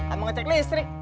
aku mau ngecek listrik